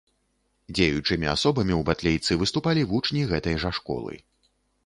Дзеючымі асобамі ў батлейцы выступалі вучні гэтай жа школы.